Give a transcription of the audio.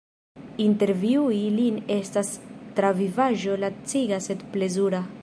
Intervjui lin estas travivaĵo laciga sed plezura!